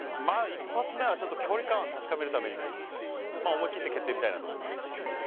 まあ１発目はちょっと距離感を確かめるためにもまあ思いきって蹴ってみたいなと思います